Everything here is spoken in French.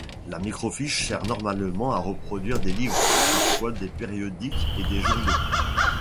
La microfiche sert normalement à reproduire des livres, parfois des périodiques et des journaux.